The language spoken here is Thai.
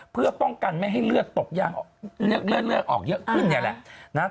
เพื่อป้องกันไม่ให้เลือดออกเยอะขึ้นนี่แหละ